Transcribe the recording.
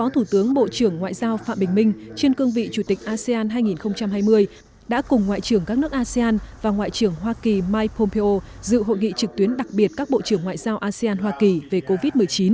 thủ tướng bộ trưởng ngoại giao phạm bình minh trên cương vị chủ tịch asean hai nghìn hai mươi đã cùng ngoại trưởng các nước asean và ngoại trưởng hoa kỳ mike pompeo dự hội nghị trực tuyến đặc biệt các bộ trưởng ngoại giao asean hoa kỳ về covid một mươi chín